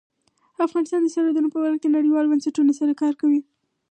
افغانستان د سرحدونه په برخه کې نړیوالو بنسټونو سره کار کوي.